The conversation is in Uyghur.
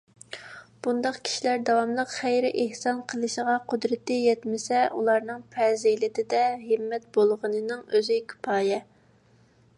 بۇنداق كىشىلەر داۋاملىق خەير - ئېھسان قىلىشىغا قۇدرىتى يەتمىسە، ئۇلارنىڭ پەزىلىتىدە ھىممەت بولغىنىنىڭ ئۆزى كۇپايە.